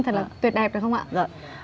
thật là tuyệt đẹp đúng không ạ